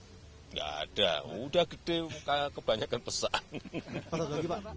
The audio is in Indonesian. tidak ada udah gede kebanyakan pesan